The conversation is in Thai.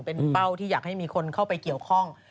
เป็นเป้าที่อยากให้มีคนเข้าไปเกี่ยวข้อง